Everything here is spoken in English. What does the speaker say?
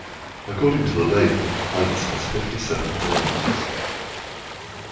According to the label, Heinz has fifty-seven varieties